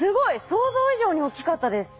想像以上に大きかったです。